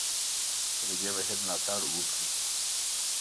که د دې بهیر ملاتړ وکړي.